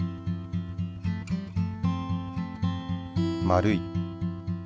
丸い。